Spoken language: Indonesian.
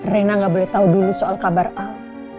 reina gak boleh tau dulu soal kabar al